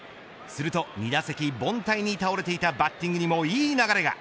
すると２打席凡退に倒れていたバッティングにもいい流れが。